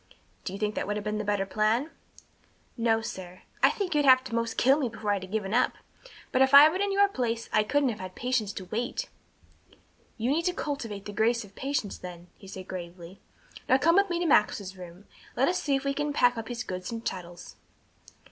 "Do you think that would have been the better plan?" "No, sir. I think you'd have had to 'most kill me before I'd have given up, but if I'd been in your place I couldn't have had patience to wait." "You need to cultivate the grace of patience, then," he said gravely. "Now come with me to Max's room, and let us see if we can pack up his goods and chattels."